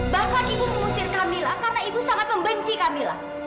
bahkan ibu mengusir kamila karena ibu sangat membenci kamilah